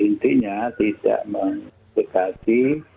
intinya tidak mendekati